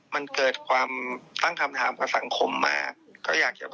มันเกิดความสร้างคำถามกับสังคมมาเขาอยากจะบอก